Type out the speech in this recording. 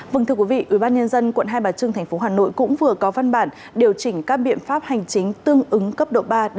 vâng thưa quý vị ubnd quận hai bà trưng tp hà nội cũng vừa có văn bản điều chỉnh các biện pháp hành chính tương ứng cấp độ ba